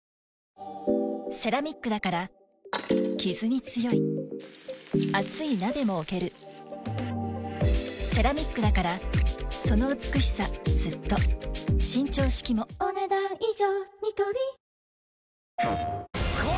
セラミックだからキズに強い熱い鍋も置けるセラミックだからその美しさずっと伸長式もお、ねだん以上。